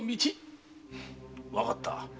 わかった。